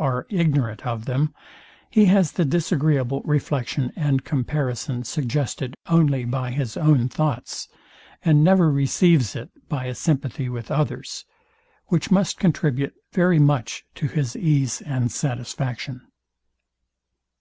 are ignorant of them, he has the disagreeable reflection and comparison suggested only by his own thoughts, and never receives it by a sympathy with others; which must contribute very much to his ease and satisfaction.